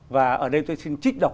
và ở đây tôi xin trích đọc